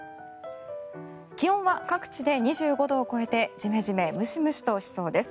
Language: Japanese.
気温は各地で２５度を超えてジメジメ、ムシムシとしそうです。